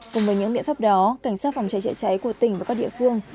cùng với những biện pháp đó cảnh sát phòng cháy chữa cháy của tỉnh và các địa phương